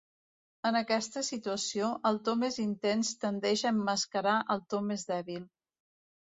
En aquesta situació, el to més intens tendeix a emmascarar el to més dèbil.